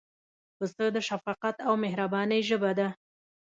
پسه د شفقت او مهربانۍ ژبه ده.